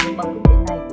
đối bằng công việc này